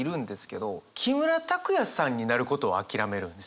木村拓哉さんになることを諦めるんですよ。